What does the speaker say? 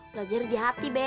belajar di hati be